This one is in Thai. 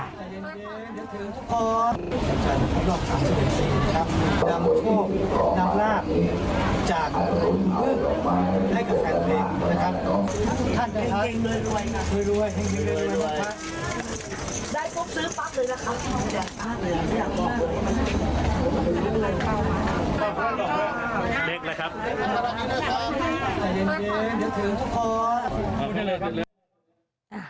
ค่ะทุกท่านนะคะแฟนเกงเงินรวยนะ